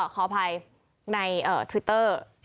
ขออภัยในทวิตเตอร์